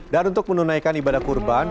dan untuk menunaikan ibadah kurban